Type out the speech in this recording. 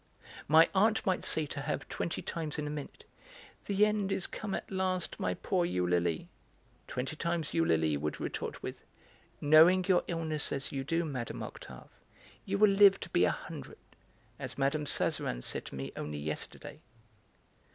My aunt might say to her twenty times in a minute: "The end is come at last, my poor Eulalie!", twenty times Eulalie would retort with: "Knowing your illness as you do, Mme. Octave, you will live to be a hundred, as Mme. Sazerin said to me only yesterday."